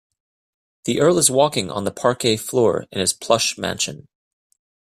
The earl is walking on the parquet floor in his plush mansion.